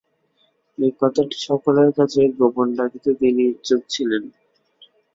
এ কথাটি সকলের কাছেই গোপন রাখিতে তিনি ইচ্ছুক ছিলেন।